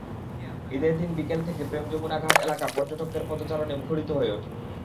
ঈদের দিন বিকেল থেকে প্রেম-যমুনা ঘাট এলাকা পর্যটকদের পদচারণে মুখরিত হয়ে ওঠে।